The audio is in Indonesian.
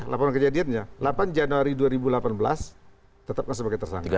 laporan kejadiannya delapan januari dua ribu delapan belas tetapkan sebagai tersangka